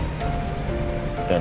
tidak ada apa apa